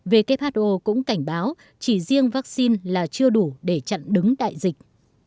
who cũng cảnh báo chỉ riêng vaccine là chưa đủ để chặn đứng đại dịch